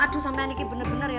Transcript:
aduh sampe ini bener bener yo